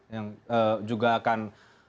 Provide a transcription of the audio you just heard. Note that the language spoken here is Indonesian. yang juga akan